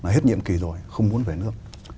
hết nhiệm kỳ rồi không muốn về nước